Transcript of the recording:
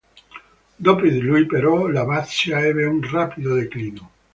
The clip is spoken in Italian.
Dopo di lui, però, l'abbazia ebbe un rapido declino.